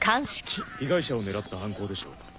被害者を狙った犯行でしょう。